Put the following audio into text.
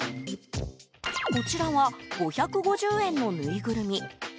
こちらは５５０円のぬいぐるみ。